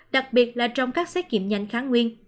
đặc biệt là trong các xét nghiệm nhanh kháng nguyên